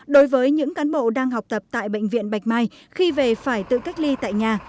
đối với những cán bộ đang học tập tại bệnh viện bạch mai khi về phải tự cách ly tại nhà